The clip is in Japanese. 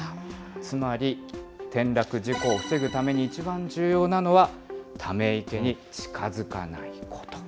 つまり転落事故を防ぐために、一番重要なのは、ため池に近づかないこと。